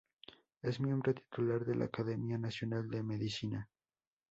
Es miembro titular de la Academia Nacional de Medicina.